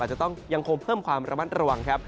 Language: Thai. จะต้องยังคงเพิ่มความระมัดระวังครับ